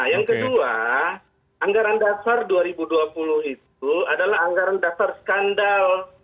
yang kedua anggaran dasar dua ribu dua puluh itu adalah anggaran dasar skandal